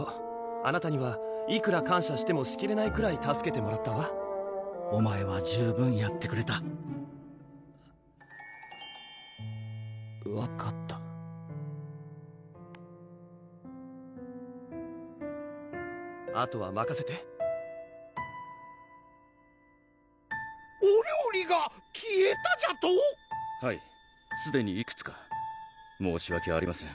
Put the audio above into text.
あなたにはいくら感謝してもしきれないくらい助けてもらったわお前は十分やってくれた分かったあとはまかせてお料理が消えたじゃと⁉はいすでにいくつか申しわけありません